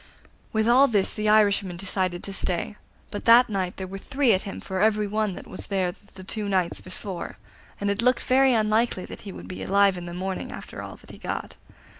With all this the Irishman decided to stay; but that night there were three at him for every one that was there the two nights before, and it looked very unlikely that he would be alive in the morning after all that he got.